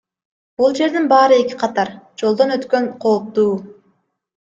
Бул жердин баары эки катар, жолдон өткөн кооптуу.